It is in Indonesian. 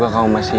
gak ada air lagi